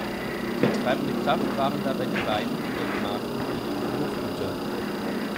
Die treibende Kraft waren dabei die beiden in der Gemarkung gelegenen Hofgüter.